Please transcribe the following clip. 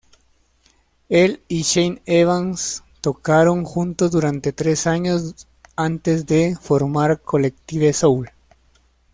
Él y Shane Evans tocaron juntos durante tres años antes de formar Collective Soul.